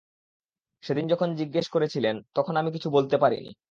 সেদিন যখন জিজ্ঞেস করেছিলেন, তখন আমি কিছু বলতে পারিনি।